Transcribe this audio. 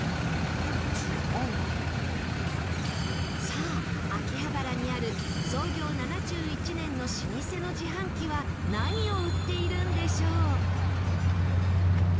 さあ秋葉原にある創業７１年の老舗の自販機は何を売っているんでしょう？